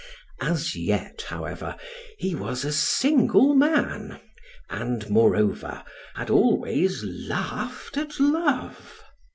As yet, however, he was a single man, and, moreover, had always laughed at love.